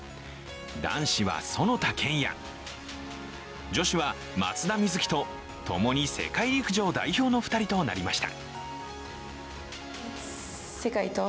男子は其田健也女子は松田瑞生とともに世界陸上代表の２人となりました。